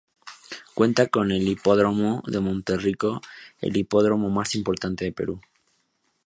Cuenta con el Hipódromo de Monterrico, el hipódromo más importante de Perú.